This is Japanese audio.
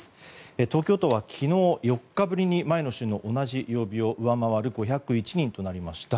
東京都は昨日４日ぶりに前の週の同じ曜日を上回る５０１人となりました。